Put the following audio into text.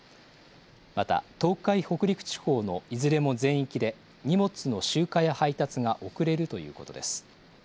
また、東海、北陸地方のいずれも全域で荷物の集荷や配達が遅れるということです。